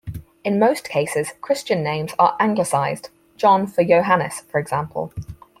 In most cases Christian names are Anglicised - John for Johannes, for example.